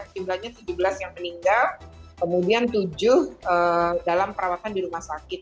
jumlahnya tujuh belas yang meninggal kemudian tujuh dalam perawatan di rumah sakit